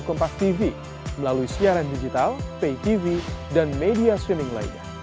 kompak tv melalui siaran digital pay tv dan media switming lainnya